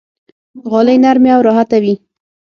غالۍ نرمې او راحته وي.